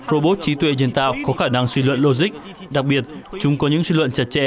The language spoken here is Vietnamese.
robot trí tuệ nhân tạo có khả năng suy luận logic đặc biệt chúng có những suy luận chặt chẽ